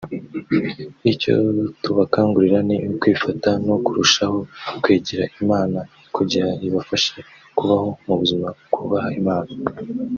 Icyo tubakangurira ni ukwifata no kurushaho kwegera Imana kugira ibafashe kubaho mu buzima bwubaha Imana”